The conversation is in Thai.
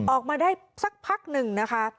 ออกมาได้สักพักหนึ่งนะคะ